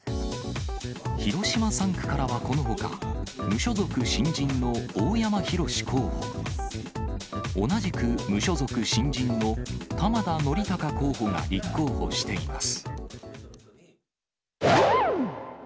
広島３区からはこのほか、無所属新人の大山宏候補、同じく無所属新人の玉田憲勲候補が立候補しています。